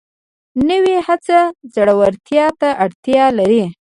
نوې هڅه زړورتیا ته اړتیا لري